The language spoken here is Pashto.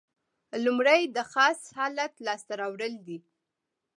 لومړی د خاص حالت لاس ته راوړل دي.